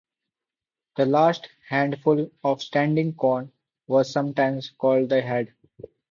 The last handful of standing corn was sometimes called the head.